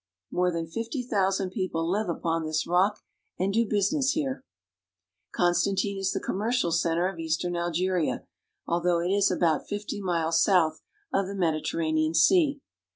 More than fifty thousand people live upon this rock and do business here. Gonstantine is the commercial center of eastern Algeria, although it is about fifty miles south of the Mediterranean Sea.